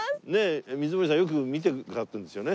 水森さんよく見てくださってるんですよね。